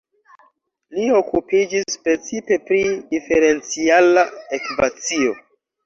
Li okupiĝis precipe pri Diferenciala ekvacio.